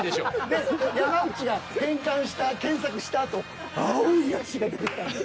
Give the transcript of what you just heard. で山内が変換した検索したあと青い足が出てきたんですよ。